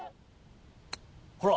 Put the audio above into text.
ほら。